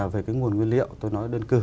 về cái nguồn nguyên liệu tôi nói đơn cử